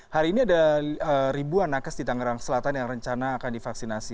hari ini ada ribuan nakes di tangerang selatan yang rencana akan divaksinasi